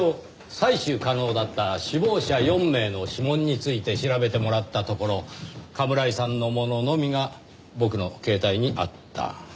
採取可能だった死亡者４名の指紋について調べてもらったところ甘村井さんのもののみが僕の携帯にあった。